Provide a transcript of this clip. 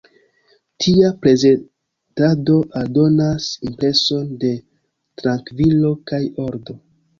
Tia prezentado aldonas impreson de trankvilo kaj ordo.